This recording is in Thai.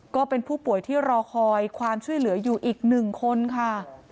ก็เป็นผู้ป่วยที่รอคอยความช่วยเหลืออยู่อีก๑คนค่ะ